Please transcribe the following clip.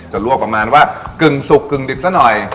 ลวกประมาณว่ากึ่งสุกกึ่งดิบซะหน่อย